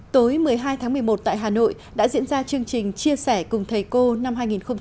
tối một mươi hai tháng một mươi một tại hà nội đã diễn ra chương trình chia sẻ cùng thầy cô năm hai nghìn hai mươi